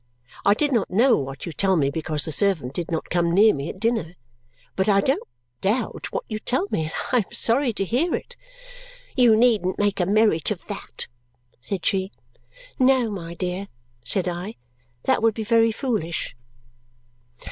I did not know what you tell me because the servant did not come near me at dinner; but I don't doubt what you tell me, and I am sorry to hear it." "You needn't make a merit of that," said she. "No, my dear," said I. "That would be very foolish."